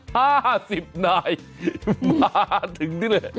ห้าสิบนายมาถึงนี่เลย